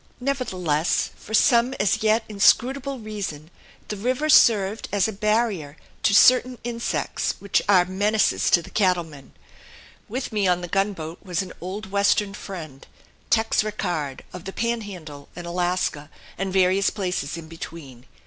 Nevertheless for some as yet inscrutable reason the river served as a barrier to certain insects which are menaces to the cattlemen. With me on the gunboat was an old Western friend, Tex Rickard, of the Panhandle and Alaska and various places in between.